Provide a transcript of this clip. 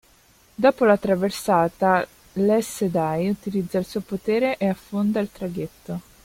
Dopo la traversata, l'Aes Sedai utilizza il suo potere ed affonda il traghetto.